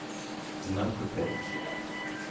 Notre tête.